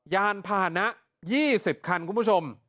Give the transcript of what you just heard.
ยานผ่านนะ๒๐คันคุณผู้ชม